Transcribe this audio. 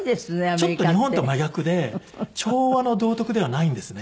ちょっと日本と真逆で調和の道徳ではないんですね。